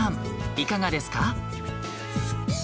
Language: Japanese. いかがですか？